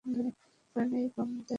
কারণ এই গোস্তে বিষ মিশ্রিত রয়েছে।